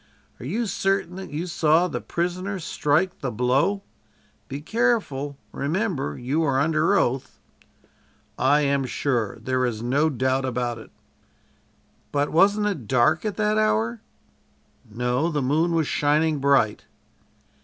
"Are you certain that you saw the prisoner strike the blow? Be careful remember you are under oath!" "I am sure. There is no doubt about it." "But wasn't it dark at that hour?" "No, the moon was shining bright."